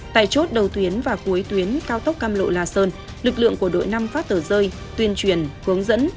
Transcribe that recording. tại chốt đầu tuyến và cuối tuyến cao tốc cam lộ la sơn lực lượng của đội năm phát tờ rơi tuyên truyền hướng dẫn